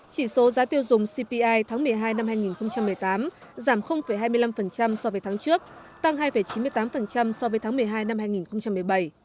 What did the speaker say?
chỉ số giá tiêu dùng cpi tháng một mươi hai năm hai nghìn một mươi tám giảm hai mươi năm so với tháng trước tăng hai chín mươi tám so với tháng một mươi hai năm hai nghìn một mươi bảy